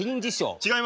違います。